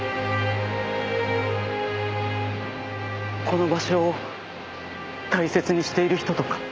この場所を大切にしている人とか？